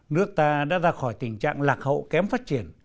nước ta đã ra khỏi tình trạng lạc hậu kém phát triển